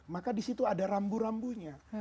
maka disitu ada rambu rambunya